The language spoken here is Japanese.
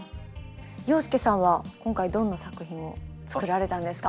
洋輔さんは今回どんな作品を作られたんですか？